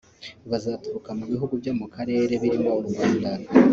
bazaturuka mu bihugu byo mu Karere birimo u Rwanda